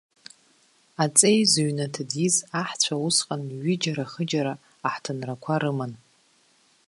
Аҵеи зыҩнаҭа диз аҳцәа усҟан ҩыџьара-хыџьара аҳҭынрақәа рыман.